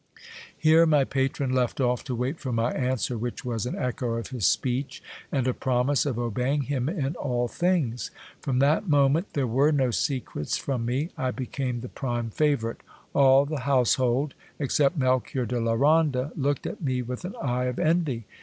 Here my patron left off to wait for my answer, which was an echo of his speech, and a promise of obeying him in all things. From that moment there were no secrets from me ; I became the prime favourite. All the household, except Melchior de la Ronda, looked at me with an eye of envy.